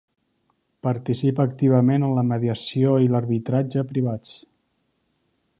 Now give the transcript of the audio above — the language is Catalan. Participa activament en la mediació i l'arbitratge privats.